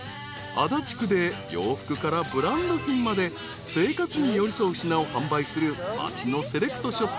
［足立区で洋服からブランド品まで生活に寄り添う品を販売する町の］